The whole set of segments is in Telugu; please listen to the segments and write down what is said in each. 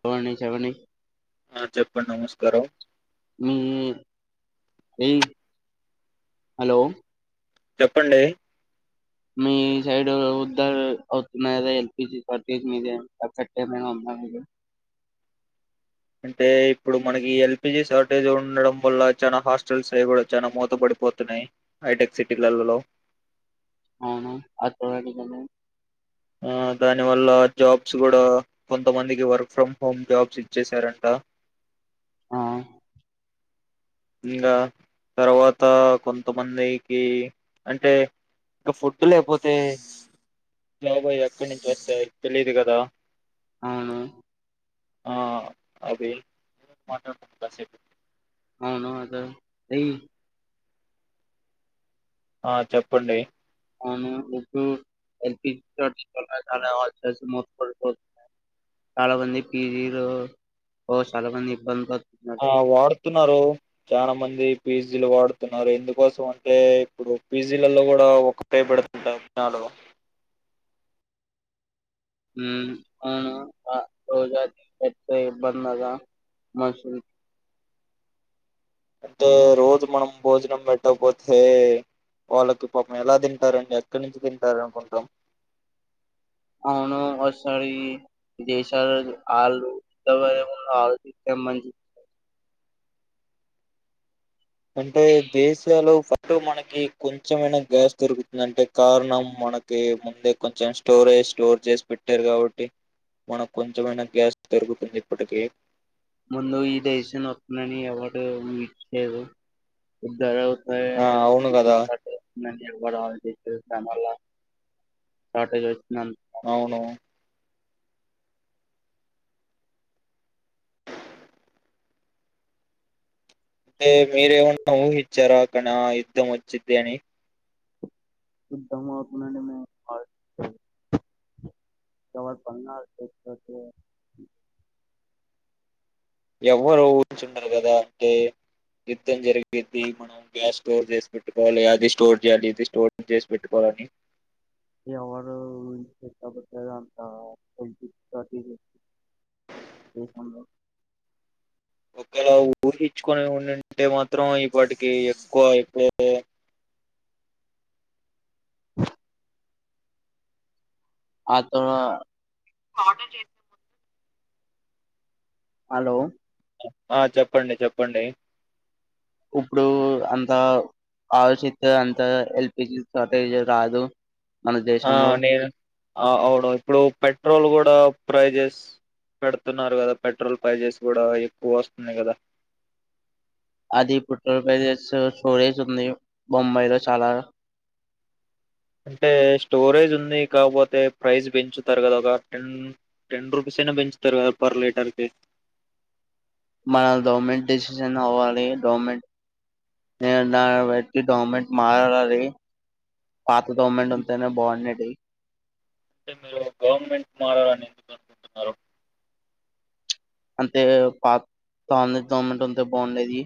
చవని చెవని క మీ ఏ హలో చెప్పండి మీ సైడ్ ఉద్దరు అవుతున్నా కదా ఎల్పిజీ సార్టేజ్ మీదట్ట ఉన్నా అంటే ఇప్పుడు మనకి ఎల్పిజీ షార్టేజ్ ఉండడం వల్ల చాలా హాస్టల్స్ అవి కూడా చాలా మూత పడిపోతున్నాయి హఐటెక్ సిటీలలో అవును అడాడికన్నా ఆ దాని వల్ల జాబ్స్ కూడా కొంతమందికి వర్క్ ఫ్రమ్ హోమ్ జాబ్స్ ఇచ్చసారంట ఆ ఇంకా తర్వాత కొంతమందికి అంటే ఇంకా ఫుడ్ లేకపోతే జాబా ఎక్కడి నుంచి వస్తాయి తెలిదు కదా అవును ఆ అవి మాట్లాడుతుస [unintelligible] ఆ చెప్పండి అవును ఇప్పుడు ఎల్పిజ చాలా మూప చాలా మంది పీజీలు చాలా మంది ఇబ్బందులు ప ఆ వాడుతున్నారు చాలా మంది పిజ్జీలు వాడుతున్నారు ఎందుకోసం అంటే ఇప్పుడు పిజీలలో కూడా ఒకటే పెడుతుంటాయిలో అ రజ ఇ బంద మసూ అంటే రోజు మనం భోజనం పెట్టకపోతే వాళ్ళకి పాపం ఎలా తింటారండి ఎక్కడి నుంచి తింటారు అనుకుంటాం అవును ఒకసారి దేశాలు ఆళ్ళుళ్ మని చె అంటే దేశలో ఫటు మనకి కొంచెమైనా గ్యాస్ దొరుకుతుంది అంటే కారణం మనకి ముందే కొంచెం స్టోరేజ్ స్టోర్ చేసి పెట్టారు కాబట్టి మనకు కొంచెమైనా గ్యాస్ దొరుకుతుంది ఇప్పటిక ముందు ఈ దేశంలో వస్తునని ఎవడు విారుద్ద ఆ అవును కదా కూడాా మ షార్టేజ్ వ అవును మీరే ఉన్నా ఉ విచ్చర కణ యుద్ధ ముచ్చద్దేని శద్ధకు ప ఎవరు ఉంచుండరు కదా అంటే యుద్ధం జరిగేది మనం గ్యాస్ స్టోర్ చేసి పెట్టుకోవాలి అది స్టోర్ చేయాలి ఇది స్టోర్ చేసి పెట్టుకోవాలని ఎవరుష్ట పెట్టారు అంతా ఒకవేళ ఊహహచ్చుకొని ఉండింటే మాత్రం ఇప్పటికి ఎక్కువ అయిప్పు ఆ త ఆర్డర్ చేసే ము హలో ఆ చెప్పండి చెప్పండి ఇప్పుడు అంత ఆలోచితే అంత ఎల్పిజి షార్టేజ్ రాదు మన ఆ దేశంలో నేను ఆ అవును ఇప్పుడు పెట్రోల్ కూడా ప్రైజెస్ పెడుతున్నారు కదా పెట్రోల్ ప్రైజెస్ కూడా ఎక్కువ వస్తున్నాయి కదా అది ఉత్తర ప్రదేశేశ సోరేస్ ముొంబైలో చాల అంటే స్టోరేజ్ ఉంది కాకపోతే ప్రైస్ పెంచుతారు కదా ఒక టెన్ టెన్ రూపీస్ అయినా పెంచుతారు కదా పర్ లీటర్ క మన గవర్మెంట్ డిసిషన్ అవ్వాలి డవర్మెంట్ నిర్ పెట్టి గవర్మెంట్ మారాలి పాత తోమ్మండి ఉంటేనే బాగుండది అంటే మీరు గవర్నమెంట్ మారాల అని ఎందు అంతే పా దమెంట్ ఉంటే బాగుండేది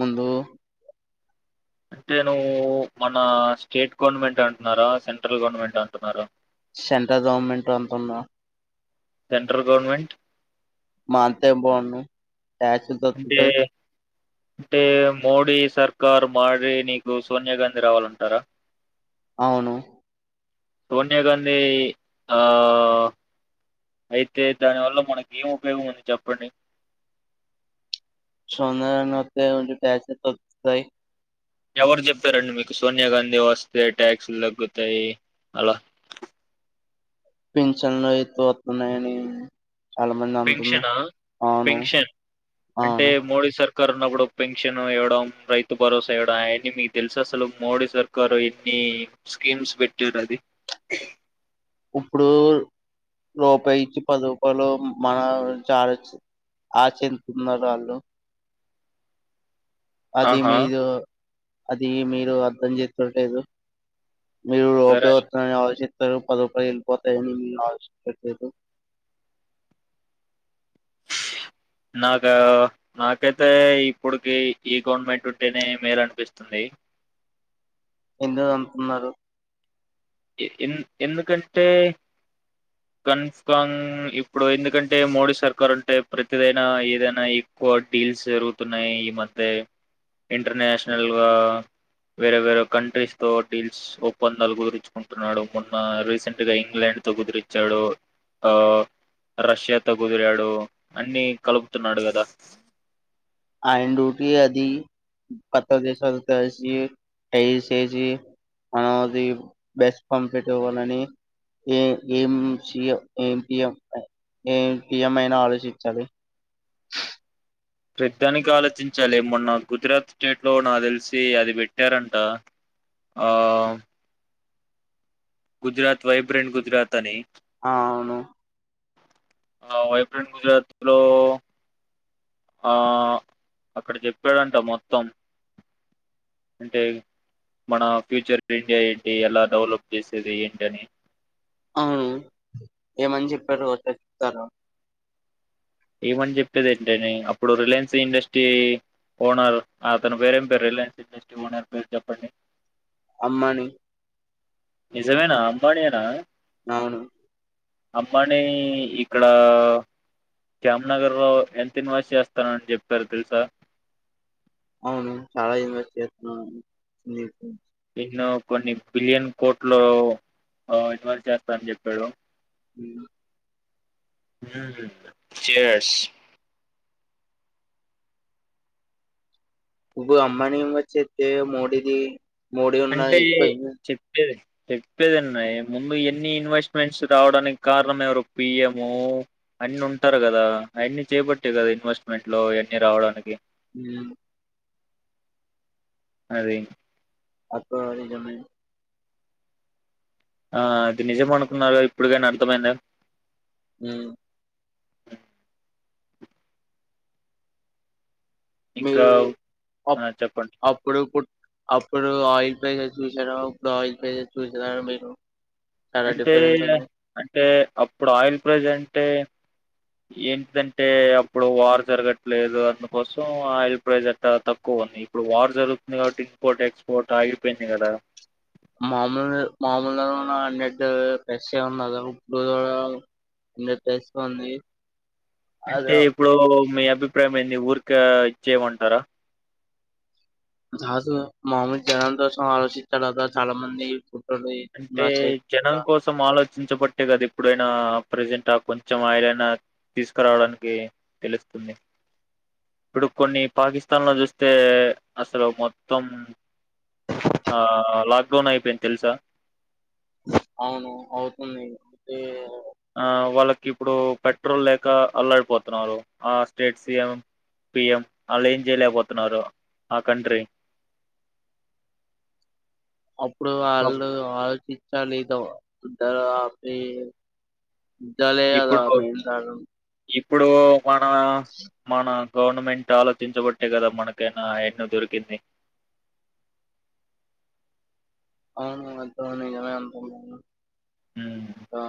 ముందు అంటే నువ్వు మన సెంట్రల్ గవర్నమెంట్ అంతన్నా సెంట్రల్ గవర్నమెంట్ మాంత బను చ్చ దత్త అంటే అంటే మోడీ సర్కారు మారి నీకు సోనియా గాంధీ రావాలంటారా అవును సోనియాగాధీ ఆ అయితే దాని వల్ల మనకి ఏం ఉపయోగం ఉంది చెప్పండి సోనియాగండి వస్తేయ్ కొచం టాగ్స్ తాగుతాయి ఎవరు చెప్పారండి. మీకు సోనియా గాంధీ వస్తే ట్యాక్స్లు తగ్గుతాయి అలా పింఛన్లు అయితు వత్తున్నాయని పెన్షనా పెన్షన్ అంటే అవును మోడీ సార్ కారోనా అప్పుడు పెన్షన్ ఇవ్వడం. రైతు భరోసా ఇవ్వడం. అవన్నీ మీకు తెలుస అసలు మోడీ సర్కారు ఎన్ని స్కీమ్స్ పెట్టారు అది. ఇప్పుడు రూపాయి ఇచ్చి పది రూపాయలు మన చర్జ్ ఆ చెందుతున్నారు వాళ్ళు అది ఆహా! మీద అది మీరు అర్థం చేసుకోట్లేదు మీరు సరే ఉపయోగస్తు ఆలోచి పదిరుపాయలు వెళ్ళిపోతాన్ [unintelligible] నాకా నాకైతే ఇప్పుడుకి ఈ గవర్నమెంట్ ఉంటేనే మేలు అనిపిస్తుంది ఎందు అంటున్నారు ఎ ఎందుకంటే కన్ఫాంగ్ ఇప్పుడు ఎందుకంటే మోడీ సర్కారు ఉంటే, ప్రతిదైనా ఏదైనా ఎక్కువ డీల్స్ జరుగుతున్నాయి. ఈ మధ్య ఇంటర్నేషనల్గా వేరే వేరే కంట్రీస్ తో డీల్స్ ఒప్పందాలు గురిచ్ అంటున్నాడు మన్న రీసెంట్ గా ఇంగ్లాండ్ తో కుదిరిచ్చాడు. ఆ రష్యాతో కుదిరాడు. అన్ని కలుపుతున్నాడు కదా. ఆయన డూటి అది. కొత్త దేశాలు కలిసి టై చేేసి మనది బెస్ట్ పంపెట్ ఇవ్వాలని, ఏ ఏం, ఏం పి ఎం, ఏం పిఎం అయినా ఆలోచించాలి. పెడ్డానికి ఆలోచించాలి మొన్న గుజరాత్ స్టేట్ లో నా తెలిసి అది పెట్టారంట ఆ గుజరాత్ వైబ్రెంట్ గుజరాత్ ని ఆ అవును ఆ వైబ్రెంట్ గుజరాత్ లో ఆ అక్కడ చెప్పాడంట మొత్తం అంటే మన ఫ్యూచర్ ఇండియా ఏంటి ఎలా డెవలప్ చేసేది ఏంటని అవును ఏమని చెప్పారు. ఓసారి చెప్తారా ఏమని చెప్పేది. ఏంటని అప్పుడు రిలయన్స్ ఇండస్ట్రీ ఓనర్ అతను పేరేం పేరు రిలయన్స్ ఇండస్ట్రీ ఓనర్ పేరు చెప్పండి. అమ్మాని నిజమేనా అంబానీ నేనా అవును అంబాని ఇక్కడ జామ్ నగర్ లో ఎంత ఇన్వెస్ చేస్తానని చెప్పారు తెలుసా. అవును చాల యూనివర్సిటీ చేస్తున్నాను నేను కొన్ని బిలియన్ కోట్లు ఇన్వెస్ట్ చేస్తానని చెప్పాడు. ఉ చేర్స్ ఉఊ అంబానీ ఇన్వెస్ట్ చేత్తే మోడీది మోడీ ఉన్న అంటే యి ఎక్కువ ఇన్వెస్ట్ చెప్పేది చెప్పేదన్నయి ముందు ఎన్ని ఇన్వెస్ట్మెంట్స్ రావడానికి కారణం. ఎవరు పిఎం అన్న ఉంటారు. కదా అవన్నీ చేపట్టే కదా. ఇన్వెస్ట్మెంట్లో అన్నీ రావడానికి హ్మ్ ఉ అదే అక్క నిజమే ఆ అది నిజమనుకున్నారు ఇప్పుడుకైనా అర్థమైంద ఊ ఇంకా మీరు అప్ ఆ చెప్పండి అప్పుడు పుట్ అప్పుడు ఆయిల్ పేస చూసార ఇప్పుడు ఆయిల్ పేస చూసారా మీరు చాలా అంటే డిఫరెంట్ ఉంది. అంటే అప్పుడు ఆయిల్ ప్లాంట్ అంటే ఏంటంటే అప్పుడు వార్ జరగట్లేదు. అందుకోసం ఆయిల్ ప్రైస్ అట్టా తక్కువ ఉంది. ఇప్పుడు వార్ జరుగుతుంది. కాబట్టి ఇంపోర్ట్ ఎక్స్పోర్ట్ ఆగిపోయింది కదా. మామూల్ మామూలు అన్నిట్ ప్లసే ఉంది కదా ఉప్పు కూడ అన్ని టేస్ ఏ ఉంది అంటే అదా ఇప్పుడు మీ అభిప్రాయం ఏంది ఊరిక ఇచ్చేయమంటారా చ మహమ్మద్ జహ స ఆచ చాలా మంది ఫోటోలు అంటే నా జనం చేతిగా కోసం ఆలోచ చర్చించబట్టే కదా ఇప్పుడైనా ప్రజెంట్ ఆ కొంచెం ఆయలైనా తీసుకురావడానికి తెలుస్తుంది ఇప్పుడు కొన్ని పాకిస్తాన్ లో చూస్తే అసలు మొత్తం ఆ లాక్డౌన్ అయిపోయింది తెలుసా అవును అవుతుంది అతే ఆ వాళ్ళకి ఇప్పుడు పెట్రోల్ లేక అల్లడిపోతున్నారు ఆ స్టేట్ సిఎం పిఎం వాళ్ళు ఏం చేయలేకపోతున్నారు ఆ కంట్రీ అప్పుడు పాపం వాళ్ళు ఆలోచి చాలదద్ద ఇదాల అలా ఇప్పుడు మీంద ఇప్పుడు మన మన గవర్నమెంట్ ఆలోచించబట్టే కదా మనకైనా ఎన్నో దొరికింది అవునుమ అ ఉమ్ ఆ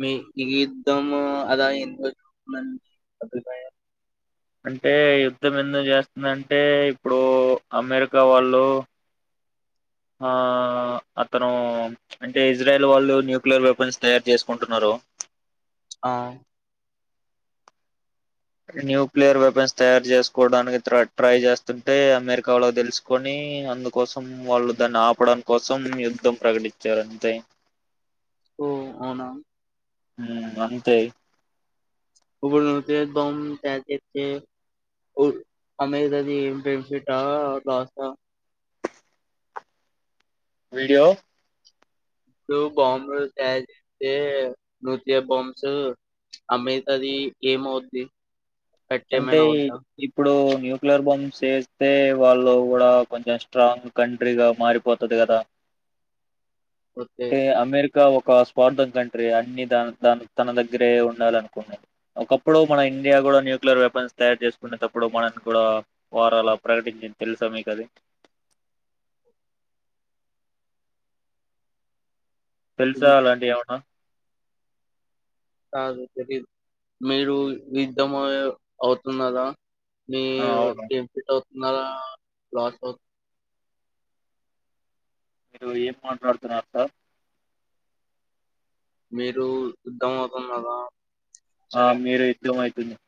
మీ ఈద్ద్దం అలా ఎంద మంచి అభిప్రాయం అంటే యుద్ధం ఎందుకు చేస్తుందింటే ఇప్పుడు అమెరికా వాళ్ళు ఆ అతను అంటే ఇజ్రాయల్ వాళ్ళు న్యూక్లియర్ వెపన్స్ తయారు చేసుకుంటున్నారు ఆ న్యూక్లియర్ వెపన్స్ తయారు చేసుకోవడానికి ట్రై చేస్తుంటే అమెరికాలో తెలుసుకొని అందుకోసం వాళ్ళు దాన్ని ఆపడం కోసం యుద్ధం ప్రకటించారు అంతే ఓ అవునా అంతే ఇప్పుడు బా అమెరిది బెడ్ఫిట్ లోస్ వీడి ఇప్పుడు బాంబులు తయారు చేస్తే నూతన బాంస్ అమ్మతుంది ఏమవుది అంటే ఇప్పుడు న్యూక్లియర్ బొంబ్స్ వేస్తే వాళ్ళు కూడా కొంచెం స్ట్రాంగ్ కంట్రీగా మారిపోతుది కదా ఓకే. అమెరికా ఇ ఒక స్వార్థం కంట్రీ అన్ని దా తన దగ్గరే ఉండాలి అనుకున్నా ఒకప్పుడు మన ఇండియా కూడా ల వెపన్స్ తయారు చేసుకునేటప్పుడు మనని కూడా వారు అలా ప్రకటించింది తెలుసా మీకు అది తెలుసువాలండి ఏమనా కాదు మీరు యుద్ధమ అవుతున్నారా మీ ఆ అవును గేమ్ ఫత ఉన్న ప్లట్ మీరు ఏం మాట్లాడుతున్నారు సార్ మీరు యుద్ధం అవుతున్నదా ఆ మీరు ఇట్లు మాహ ధన్య